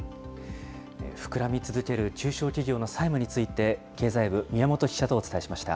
膨らみ続ける中小企業の債務について、経済部、宮本記者とお伝えしました。